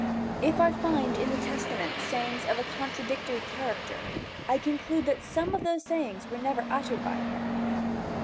If I find in the Testament sayings of a contradictory character, I conclude that some of those sayings were never uttered by him.